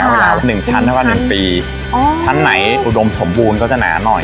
อ๋อค่ะหนึ่งชั้นถ้าว่าหนึ่งปีอ๋อชั้นไหนอุดมสมบูรณ์ก็จะหนาหน่อย